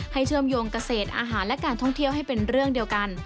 เชื่อมโยงเกษตรอาหารและการท่องเที่ยวให้เป็นเรื่องเดียวกัน